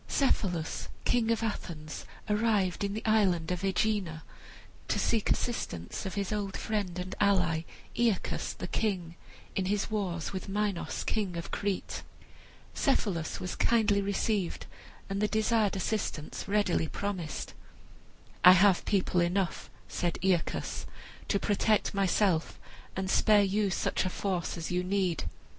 Cephalus, king of Athens, arrived in the island of Aegina to seek assistance of his old friend and ally Aeacus, the king, in his war with Minos, king of Crete. Cephalus was most kindly received, and the desired assistance readily promised. "I have people enough," said Aeacus, "to protect myself and spare you such a force as you need."